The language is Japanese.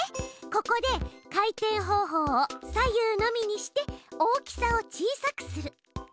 ここで「回転方法を左右のみ」にして大きさを小さくする。